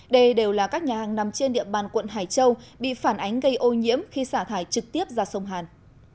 đây đều là các nhà hàng nằm trên địa bàn quận hải châu bị phản ánh gây ô nhiễm khi xả thải trực tiếp ra sông hàn